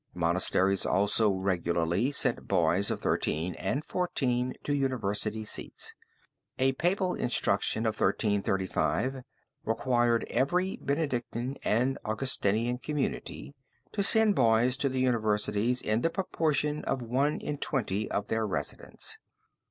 Monasteries also regularly sent boys of thirteen and fourteen to university seats. A papal instruction of 1335 required every Benedictine and Augustinian community to send boys to the universities in the proportion of one in twenty of their residents.